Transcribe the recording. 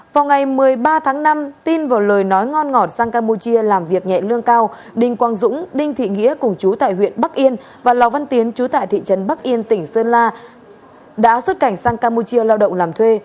vào ngày một mươi ba tháng năm tin vào lời nói ngon ngọt sang campuchia làm việc nhẹ lương cao đinh quang dũng đinh thị nghĩa cùng chú tại huyện bắc yên và lò văn tiến chú tại thị trấn bắc yên tỉnh sơn la đã xuất cảnh sang campuchia lao động làm thuê